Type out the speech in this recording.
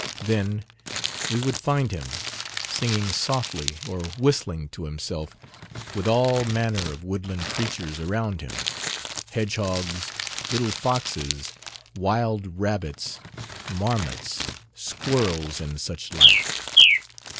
Then we would find him singing softly or whistling to himself, with all manner of woodland creatures around him hedgehogs, little foxes, wild rabbits, marmots, squirrels, and such like.